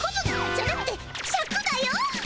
じゃなくてシャクだよ。